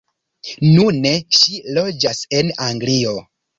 Nune ŝi loĝas en Anglio.